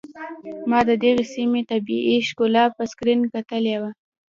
ما د دغې سيمې طبيعي ښکلا په سکرين کتلې وه.